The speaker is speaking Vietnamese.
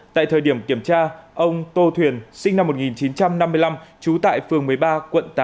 tại thời điểm kiểm tra ông tô thuyền sinh năm một nghìn chín trăm năm mươi năm trú tại phường một mươi ba quận tám